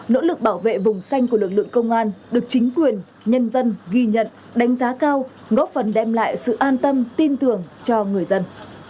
nỗ lực bảo vệ vùng xanh của lực lượng công an được chính quyền nhân dân ghi nhận đánh giá cao góp phần đem lại sự an tâm tin tưởng cho người dân